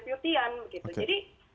maupun setariah pada masing masing kedeputian